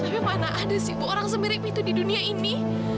tapi mana ada sih bu orang semirip itu di dunia ini